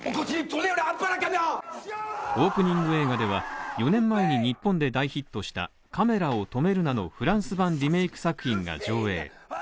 オープニング映画では、４年前に日本で大ヒットした「カメラを止めるな！」のフランス版リメイク作品が上映。